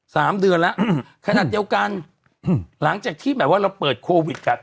สามเดือนแล้วอืมขนาดเดียวกันอืมหลังจากที่แบบว่าเราเปิดโควิดกัน